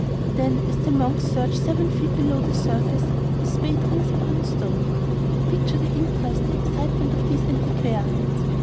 Then, as the monks search 7 feet below the surface, a spade rings upon stone. Picture the interest, the excitement of these antiquarians.